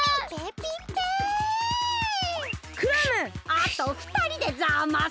あとふたりでざます。